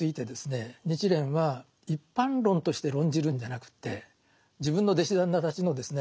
日蓮は一般論として論じるんじゃなくて自分の弟子たちのですね